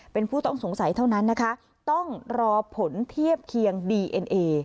เป็นผู้ต้องสงสัยเท่านั้นนะคะต้องรอผลเทียบเคียงดีเอ็นเอ